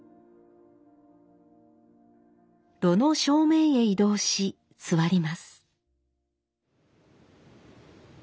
炉の正面へ移動し座ります。